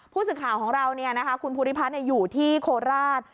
ผู้สึกข่าวของเราเนี่ยนะคะคุณภูริพัฒน์เนี่ยอยู่ที่โคลราช